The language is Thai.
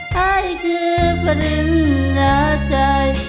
ให้คือพระริญญาใจ